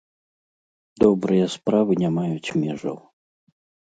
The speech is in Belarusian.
Добрыя справы не маюць межаў!